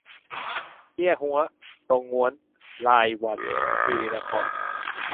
เกียฮั้ว ตงง้วน รายวัน ศิรินคร